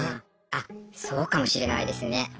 あそうかもしれないですね。